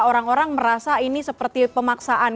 orang orang merasa ini seperti pemaksaan